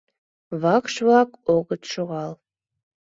Вакш-влак огыт шогал.